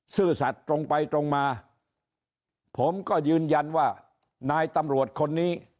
ซื่อสัตว์ตรงไปตรงมาผมก็ยืนยันว่านายตำรวจคนนี้